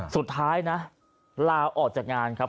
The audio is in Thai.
สุดท้ายนะลาออกจากงานครับ